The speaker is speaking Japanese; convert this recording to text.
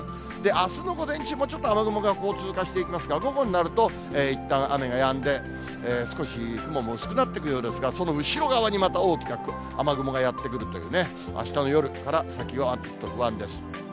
あすの午前中もちょっと雨雲が通過していきますが、午後になると、いったん雨がやんで、少し雲も薄くなっていくようですが、その後ろ側にまた大きな雨雲がやって来るというね、あしたの夜から先はちょっと不安です。